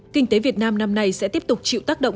kinh tế việt nam năm nay sẽ tiếp tục chịu tác động